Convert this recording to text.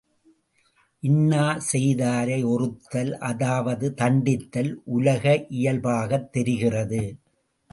இன்னா செய்தாரை ஒறுத்தல் அதாவது தண்டித்தல் உலக இயல்பாகத் தெரிகிறது.